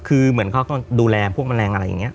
คือเหมือนเขาก็ดูแลพวกแมลงอะไรอย่างนี้